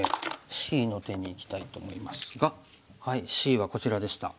Ｃの手にいきたいと思いますがＣはこちらでした。